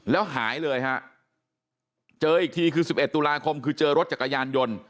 แล้วหายเลยฮะเจออีกทีคือ๑๑ตุลาคมคือเจอรถจักรยานยนต์